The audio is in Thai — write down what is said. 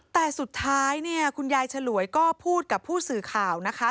แต่สุดท้ายเนี่ยคุณยายฉลวยก็พูดกับผู้สื่อข่าวนะคะ